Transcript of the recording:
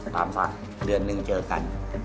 ตามสัตว์เรือนหนึ่งเจอกัน